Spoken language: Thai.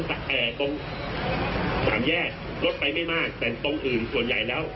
แต่ตรงสามแยกรถไปไม่มากแต่ตรงอื่นส่วนใหญ่แล้ว